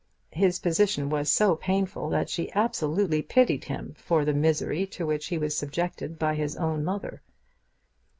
His position was so painful that she absolutely pitied him for the misery to which he was subjected by his own mother.